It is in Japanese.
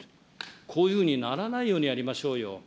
こういうふうにならないようにやりましょうよ。